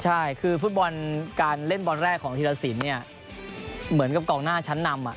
ใช่คือฟุตบอลการเล่นบอลแรกของธีรสินเนี่ยเหมือนกับกองหน้าชั้นนำ